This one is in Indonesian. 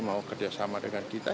mau kerjasama dengan kita